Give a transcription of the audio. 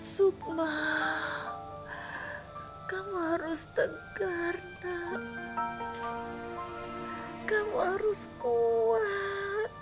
sukma kamu harus tegar nak kamu harus kuat